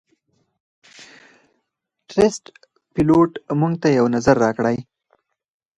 ټرسټ پیلوټ - موږ ته یو نظر راکړئ